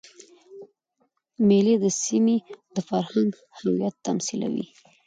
مېلې د سیمي د فرهنګ هویت تمثیلوي.